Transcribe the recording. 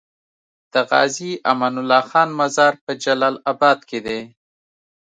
د غازي امان الله خان مزار په جلال اباد کی دی